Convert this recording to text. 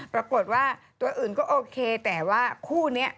ปรากฏว่าตัวอื่นก็โอเคแต่ว่าคู่นี้